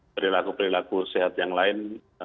perilaku perilaku sehat yang lain